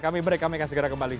kami break kami akan segera kembali